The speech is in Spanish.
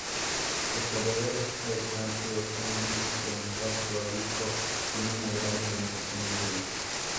El tablero es amplio, con un instrumental prolijo, tiene una gran iluminación interior.